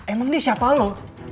emang dia siapa lo